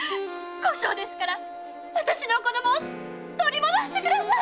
後生ですから私の子供を取り戻してください！